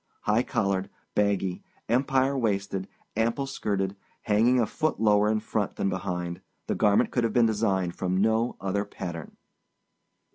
High collared, baggy, empire waisted, ample skirted, hanging a foot lower in front than behind, the garment could have been designed from no other pattern.